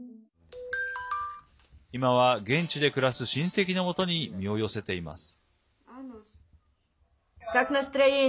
今は、現地で暮らす親戚のもとに身を寄せています。